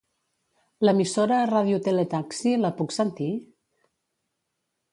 L'emissora "Radio Tele Taxi" la puc sentir?